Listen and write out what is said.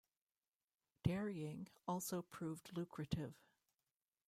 Dairying also proved lucrative.